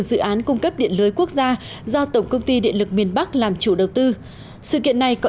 dự án cung cấp điện lưới quốc gia do tổng công ty điện lực miền bắc làm chủ đầu tư sự kiện này có